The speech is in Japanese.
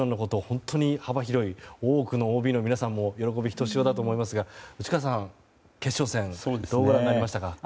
本当に幅広い多くのＯＢの皆さんも喜びひとしおだと思いますが内川さん、決勝戦どうご覧になりましたか？